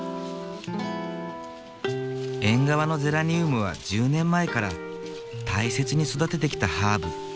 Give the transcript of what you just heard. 縁側のゼラニウムは１０年前から大切に育ててきたハーブ。